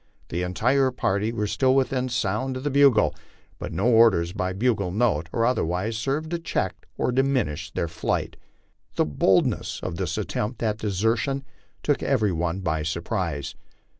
The entire party were still within sound of the bugle, but no orders by bugle note or otherwise served to check or diminish their flight. The boldness of this attempt at desertion took every one by surprise.